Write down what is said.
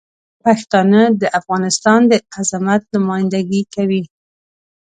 پښتانه د افغانستان د عظمت نمایندګي کوي.